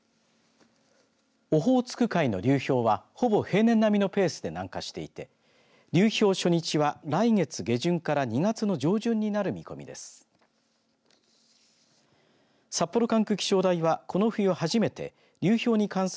オホーツク海の流氷はほぼ平年並みのペースで南下していて流氷初日は来月下旬から２月の上旬になる見込みです。